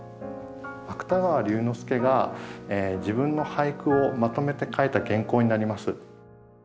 芥川龍之介が自分の俳句をまとめて書いた原稿になります。